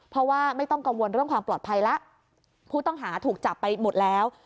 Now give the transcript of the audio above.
เพราะว่าไม่ต้องกังวลเรื่องความปลอดภัยแล้วผู้ต้องหาถูกจับไปหมดแล้ว